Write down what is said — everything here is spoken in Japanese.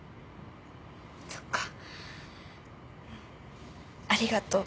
そっかうんありがとう。